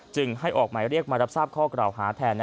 จึงให้ออกหมายเรียกมารับทราบข้อกล่าวหาแทน